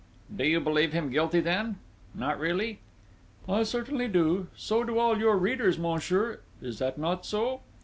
"Do you believe him guilty then?... Not really?" "I certainly do!... So do all your readers, monsieur. Is that not so?"